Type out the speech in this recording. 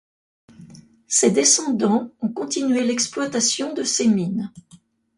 Ses descendants ont continué l'exploitation de ces mines.